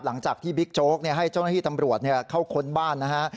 หลังจากที่บิ๊กโจ๊กให้เจ้าหน้าที่ตำรวจเข้าค้นบ้านนะฮะ